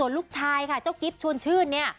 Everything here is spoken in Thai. ลูกชายค่ะเจ้ากิ๊บชวนชื่นเนี่ย